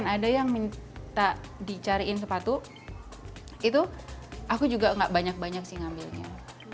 ada yang minta dicariin sepatu itu aku juga gak banyak banyak sih ngambilnya